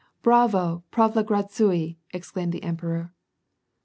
" Bravo ! Pavlogradsui !" exclaimed the emperor.